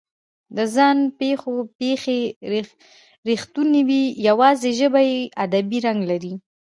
د ځان پېښو پېښې رښتونې وي، یواځې ژبه یې ادبي رنګ لري.